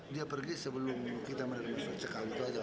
dia pergi sebelum kita menerima surat cekal itu saja